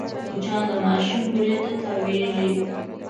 مچان د ماشوم بوري ته تاوېږي